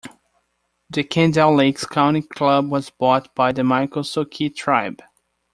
The Kendale Lakes Country Club was bought by the Miccosukee tribe.